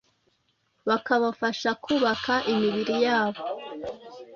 bakabafasha kubaka imibiri yabo